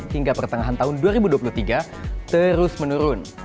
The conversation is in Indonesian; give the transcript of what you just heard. hingga pertengahan tahun dua ribu dua puluh tiga terus menurun